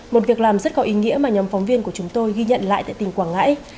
một việc làm rất có ý nghĩa mà nhóm phóng viên của chúng tôi ghi nhận lại tại tỉnh quảng ngãi